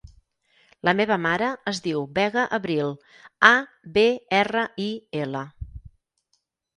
La meva mare es diu Vega Abril: a, be, erra, i, ela.